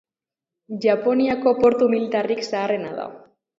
Japoniako portu militarrik zaharrena da.